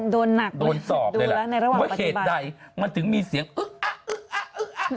โดนหนักเลยดูแล้วในระหว่างปฏิบัติว่าเหตุใดมันถึงมีเสียงอึ๊ะอ๊ะอ๊ะอ๊ะ